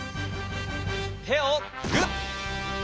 てをグッ！